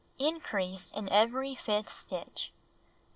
Increase in every fifth stitch.